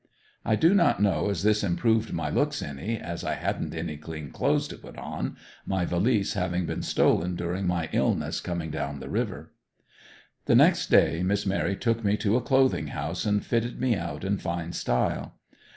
I do not know as this improved my looks any, as I hadn't any clean clothes to put on, my valise having been stolen during my illness coming down the river. The next day Miss Mary took me to a clothing house and fitted me out in fine style.